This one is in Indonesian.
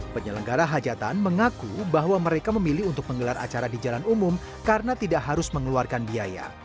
penyelenggara hajatan mengaku bahwa mereka memilih untuk menggelar acara di jalan umum karena tidak harus mengeluarkan biaya